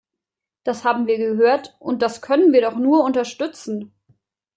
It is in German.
Das haben wir gehört, und das können wir doch nur unterstützen.